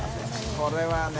これはね。